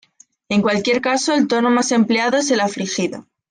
En cualquier caso, el tono más empleado es el afligido.